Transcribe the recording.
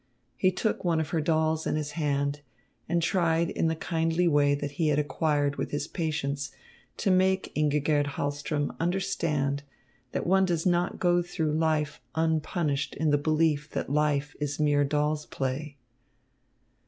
He took one of her dolls in his hand, and tried in the kindly way that he had acquired with his patients to make Ingigerd Hahlström understand that one does not go through life unpunished in the belief that life is mere doll's play.